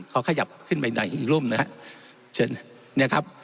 ขยับขึ้นไปหน่อยอีกรุ่มนะครับ